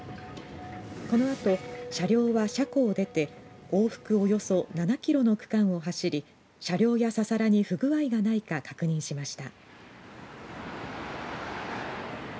このあと車両は車庫を出て往復およそ７キロの区間を走り車両やササラに不具合がないか確認しました。